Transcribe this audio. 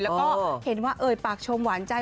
แล้วก็เห็นว่าเอ่ยปากชมหวานใจ